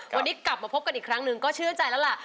วันนี้กลับมาพบกันอีกครั้งหนึ่งก็เชื่อใจแล้วล่ะ